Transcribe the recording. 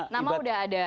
nama sudah ada